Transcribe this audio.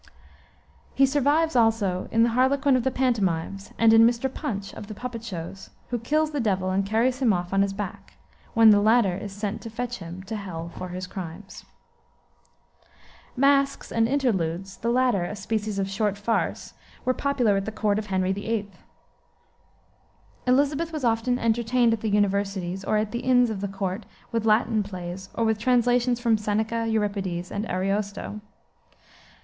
'" He survives also in the harlequin of the pantomimes, and in Mr. Punch, of the puppet shows, who kills the Devil and carries him off on his back, when the latter is sent to fetch him to hell for his crimes. Masques and interludes the latter a species of short farce were popular at the Court of Henry VIII. Elisabeth was often entertained at the universities or at the inns of court with Latin plays, or with translations from Seneca, Euripides, and Ariosto.